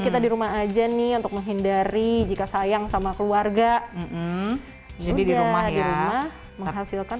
kita di rumah aja nih untuk menghindari jika sayang sama keluarga jadi di rumah di rumah menghasilkan